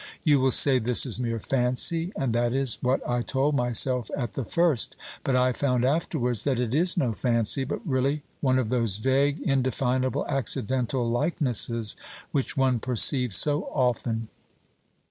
You will say this is mere fancy and that is what I told myself at the first; but I found afterwards that it is no fancy, but really one of those vague, indefinable, accidental likenesses which one perceives so often.